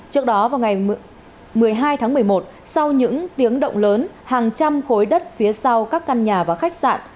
trước đó vào ngày một mươi hai tháng một mươi một sau những tiếng động lớn hàng trăm khối đất phía sau các căn nhà và khách sạn